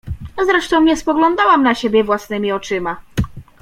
Zresztą nie spoglądałam na siebie własnymi oczyma.